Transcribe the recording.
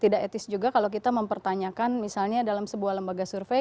tidak etis juga kalau kita mempertanyakan misalnya dalam sebuah lembaga survei